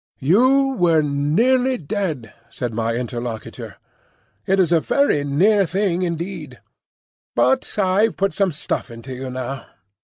"You were nearly dead," said my interlocutor. "It was a very near thing, indeed. But I've put some stuff into you now.